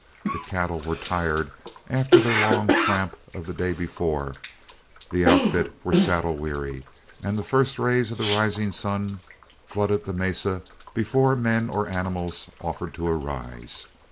The cattle were tired after their long tramp of the day before, the outfit were saddle weary, and the first rays of the rising sun flooded the mesa before men or animals offered to arise.